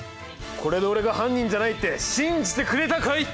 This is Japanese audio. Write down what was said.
これで俺が犯人じゃないって信じてくれたかい？